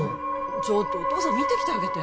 ちょっとお父さん見てきてあげて・